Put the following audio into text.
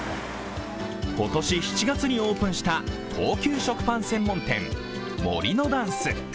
今年７月にオープンした高級食パン専門店、森のダンス。